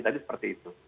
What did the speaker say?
tadi seperti itu